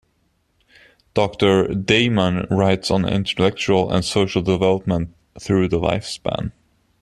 Doctor Damon writes on intellectual and social development through the lifespan.